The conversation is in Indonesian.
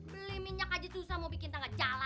beli minyak aja susah mau bikin tangga cala